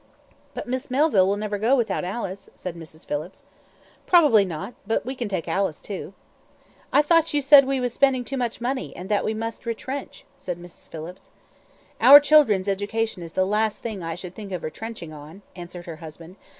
"But Miss Melville will never go without Alice," said Mrs. Phillips. "Probably not; but we can take Alice, too." "I thought you said we was spending too much money, and that we must retrench," said Mrs. Phillips. "Our children's education is the last thing I should think of retrenching on," answered her husband.